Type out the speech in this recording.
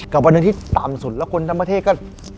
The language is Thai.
วันหนึ่งที่ต่ำสุดแล้วคนทั้งประเทศก็